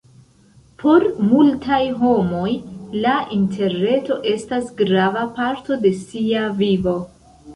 Por multaj homoj la interreto estas grava parto de sia vivo.